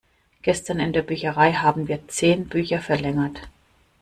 Gestern in der Bücherei haben wir zehn Bücher verlängert.